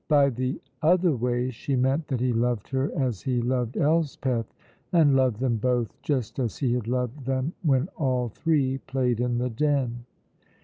By the "other way" she meant that he loved her as he loved Elspeth, and loved them both just as he had loved them when all three played in the Den.